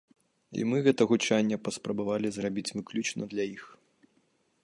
І мы гэта гучанне паспрабавалі зрабіць выключна для іх.